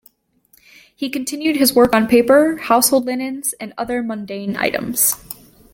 He continued his work on paper, household linens, and other mundane items.